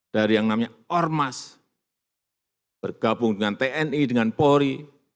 dari yang namanya ormas bergabung dengan tni dengan polri